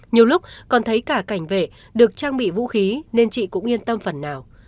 nhiều lúc còn thấy cả cảnh vệ được trang bị vũ khí nên chị cũng yên tâm phần nào